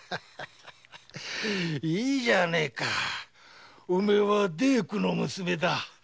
いいじゃねえかお前は大工の娘だ。